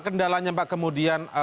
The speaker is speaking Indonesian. kenalanya pak kemudian